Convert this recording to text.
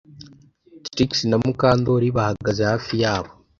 Trix na Mukandoli bahagaze hafi yabo